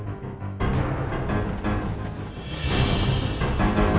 aku mau lihat orang itu sebentar